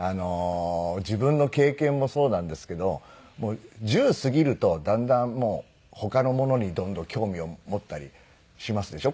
自分の経験もそうなんですけど１０過ぎるとだんだんもう他のものにどんどん興味を持ったりしますでしょ？